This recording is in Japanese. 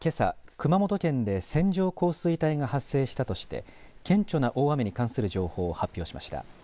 熊本県で線状降水帯が発生したとして顕著な大雨に関する情報を発表しました。